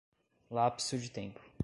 Lapso de tempo